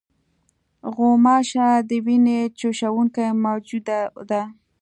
غوماشه د وینې چوشوونکې موجوده ده.